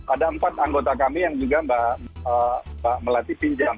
ada empat anggota kami yang juga mbak melati pinjam